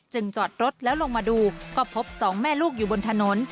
จอดรถแล้วลงมาดูก็พบสองแม่ลูกอยู่บนถนน